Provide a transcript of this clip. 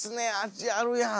味あるやん！